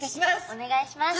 お願いします。